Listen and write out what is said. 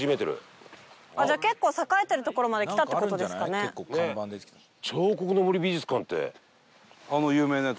じゃあ結構栄えてる所まで来たって事ですかね。